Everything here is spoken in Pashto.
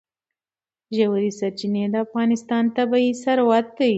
ژورې سرچینې د افغانستان طبعي ثروت دی.